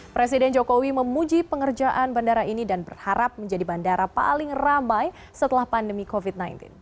presiden jokowi memuji pengerjaan bandara ini dan berharap menjadi bandara paling ramai setelah pandemi covid sembilan belas